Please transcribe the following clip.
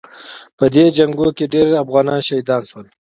په دې جنګونو کې ډېر افغانان شهیدان شول.